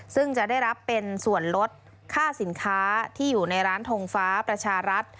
ซึ่งจะได้รับเป็นส่วนลดค่าสินค้าที่อยู่ในร้านทงฟ้าประชารัฐ